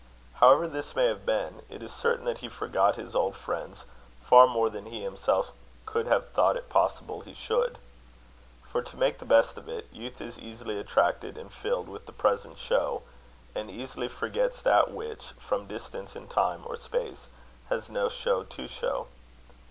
However this may have been, it is certain that he forgot his old friends far more than he himself could have thought it possible he should; for, to make the best of it, youth is easily attracted and filled with the present show, and easily forgets that which, from distance in time or space, has no show to show.